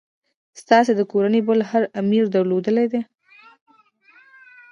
ستاسي د کورنۍ بل هر امیر درلودلې ده.